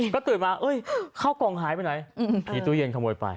ก็ตื่นมาข้าวกล่องหายไปไหนมีตู้เย็นขโมยไป